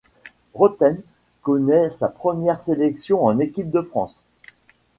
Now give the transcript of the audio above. Rothen connaît sa première sélection en équipe de France.